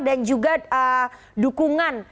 dan juga dukungan